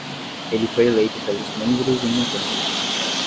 Ele foi eleito pelos membros em novembro.